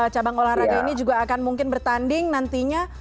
cabang olahraga ini juga akan mungkin bertanding nantinya